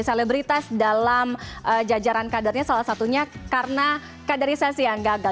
selebritas dalam jajaran kadernya salah satunya karena kaderisasi yang gagal